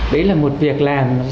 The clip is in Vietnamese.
đây là một việc làm